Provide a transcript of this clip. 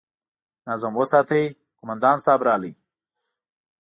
نظم وساتئ! قومندان صيب راغی!